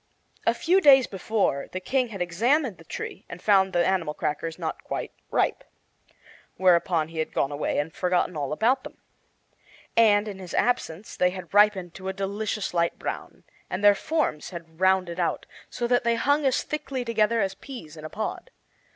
A few days before the King had examined the tree and found the animal crackers not quite ripe. Whereupon he had gone away and forgotten all about them. And, in his absence, they had ripened to a delicious light brown; and their forms had rounded out, so that they hung as thickly together as peas in a pod.